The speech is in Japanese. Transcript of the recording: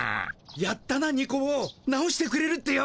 やったなニコ坊直してくれるってよ。